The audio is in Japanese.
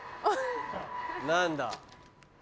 何だ？